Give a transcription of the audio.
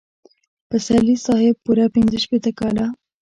پسرلي صاحب پوره پنځه شپېته کاله.